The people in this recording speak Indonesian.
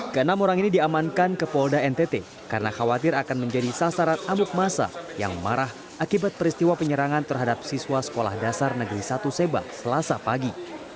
ke enam orang ini diamankan ke polda ntt karena khawatir akan menjadi sasaran amuk masa yang marah akibat peristiwa penyerangan terhadap siswa sekolah dasar negeri satu seba selasa pagi